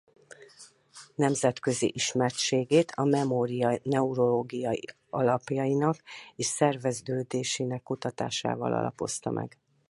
Nemzetközi ismertségét a memória neurológiai alapjainak és szerveződésének kutatásával alapozta meg.